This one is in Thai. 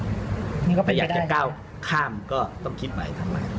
ไม่อยากจะก้าวข้ามก็ต้องคิดไว้ทำไม